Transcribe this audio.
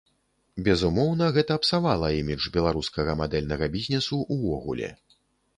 Безумоўна, гэта псавала імідж беларускага мадэльнага бізнесу ўвогуле.